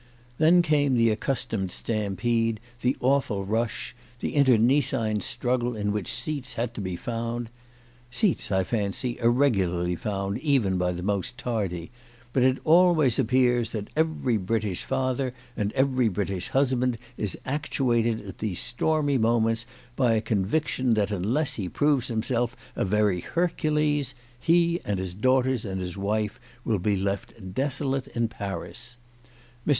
Then came the accustomed stam pede, the awful rush, the internecine struggle in which seats had to be found. Seats, I fancy, are regularly found, even by the most tardy, but it always appears that every British father and every British husband is actuated at these stormy moments by a conviction that unless he proves himself a very Hercules he and his daughters and his wife will be left desolate in Paris. Mr.